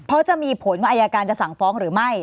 เพราะจะมีผลว่าอายการจะสั่งฟ้องหรือไม่